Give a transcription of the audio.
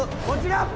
こちら！